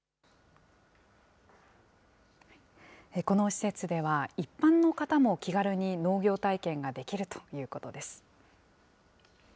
この施設では、一般の方も気軽に農業体験ができるということです。